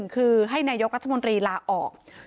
คือให้นายกรัฐมนตรีลาออก